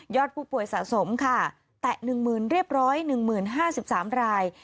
ผู้ป่วยสะสมค่ะแตะ๑๐๐เรียบร้อย๑๐๕๓ราย